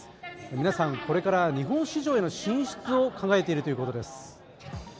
皆さんこれから日本市場への進出を考えているということです。